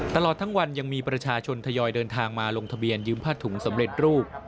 ตลอดทั้งวันยังมีประชาชนทยอยเดินทางมาลงทะเบียนยืมผ้าถุงสำเร็จรูป